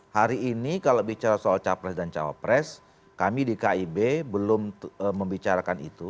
hari ini kalau bicara soal capres dan cawapres kami di kib belum membicarakan itu